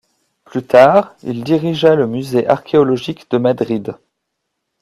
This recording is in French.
Plus tard, il dirigea le musée archéologique de Madrid.